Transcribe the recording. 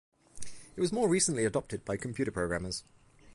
It was more recently adopted by computer programmers.